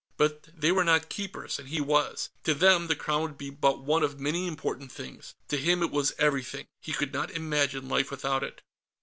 But they were not Keepers, and he was. To them, the Crown would be but one of many important things; to him it was everything. He could not imagine life without it.